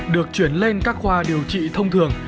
được chuyển lên các khoa điều trị thông thường